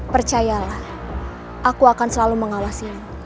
percayalah aku akan selalu mengawasi